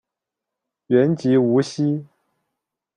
原籍无锡。